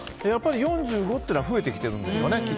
４５というのは増えてきているんですよね。